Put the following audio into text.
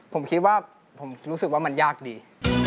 ผมคิดว่าผมรู้สึกว่ามันยากดี